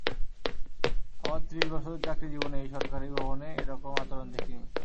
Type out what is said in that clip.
আমার ত্রিশ বছরের চাকরিজীবনে এই সরকারি ভবনে এরকম আচরণ দেখিনি।